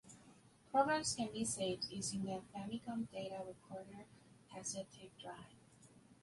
Programs can be saved using the Famicom Data Recorder cassette tape drive.